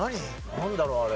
なんだろう？あれ。